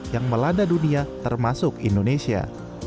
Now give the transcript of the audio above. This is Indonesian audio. yang melanda dunia termasuk indonesia